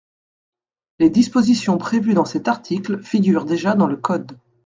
Les dispositions prévues dans cet article figurent déjà dans le code.